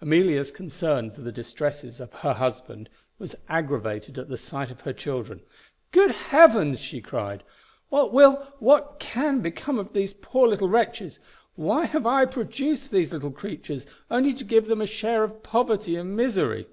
Amelia's concern for the distresses of her husband was aggravated at the sight of her children. "Good Heavens!" she cried, "what will what can become of these poor little wretches? why have I produced these little creatures only to give them a share of poverty and misery?"